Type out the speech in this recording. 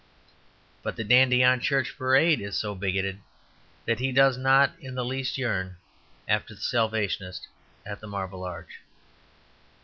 But the dandy on church parade is so bigoted that he does not in the least yearn after the Salvationist at the Marble Arch.